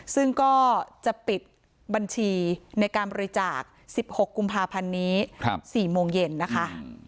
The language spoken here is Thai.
ซึ่งก็จะปิดบัญชีในการบริจาค๑๖กุมภาพันธ์นี้๔โมงเย็นนะคะ